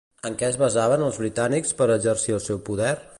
En què es basaven els britànics per exercir el seu poder?